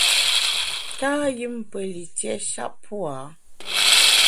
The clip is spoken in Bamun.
Tâyùmpelitiét shap pua’.